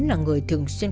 là người thường xuyên